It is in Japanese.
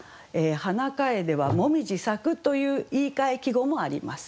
「花楓」は「もみじ咲く」という言いかえ季語もあります。